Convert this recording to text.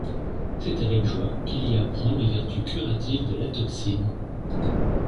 C’est avec joie qu’il y apprend les vertus curatives de l’Atoxyl.